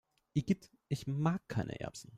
Igitt, ich mag keine Erbsen!